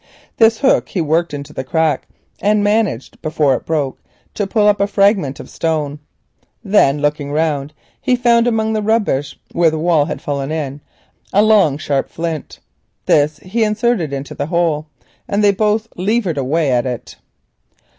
This hook he worked into the crack and managed before it broke to pull up a fragment of stone. Then, looking round, he found a long sharp flint among the rubbish where the wall had fallen in. This he inserted in the hole and they both levered away at it.